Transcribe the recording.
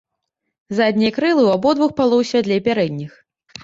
Заднія крылы ў абодвух палоў святлей пярэдніх.